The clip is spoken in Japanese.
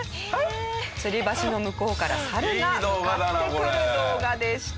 つり橋の向こうからサルが向かってくる動画でした。